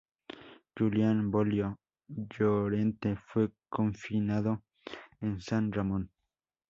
Julián Volio Llorente fue confinado en San Ramón.